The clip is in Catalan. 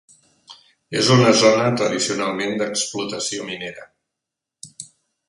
És una zona tradicionalment d'explotació minera.